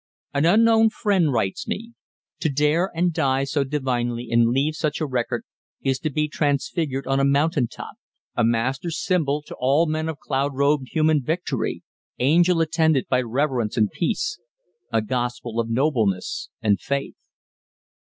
An unknown friend writes me, "To dare and die so divinely and leave such a record is to be transfigured on a mountain top, a master symbol to all men of cloud robed human victory, angel attended by reverence and peace...a gospel of nobleness and faith."